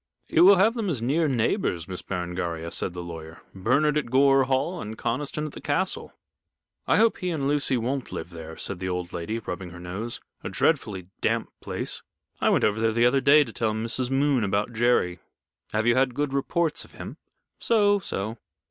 "You will have them as near neighbors, Miss Berengaria," said the lawyer. "Bernard at Gore Hall and Conniston at the castle." "I hope he and Lucy won't live there," said the old lady, rubbing her nose. "A dreadfully damp place. I went over there the other day to tell Mrs. Moon about Jerry." "Have you had good reports of him?" "So, so.